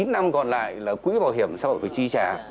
chín năm còn lại là quỹ bảo hiểm xã hội